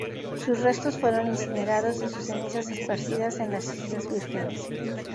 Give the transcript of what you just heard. Sus restos fueron incinerados, y sus cenizas esparcidas en las Islas Vírgenes.